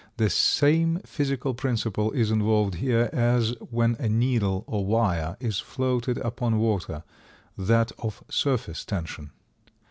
The same physical principal is involved here, as when a needle or wire is floated upon water, that of surface tension.